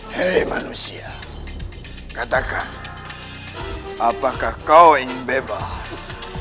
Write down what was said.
hei manusia katakan apakah kau ingin bebas